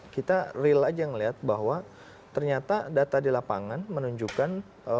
kita real aja melihat bahwa ternyata data di lapangan menunjukkan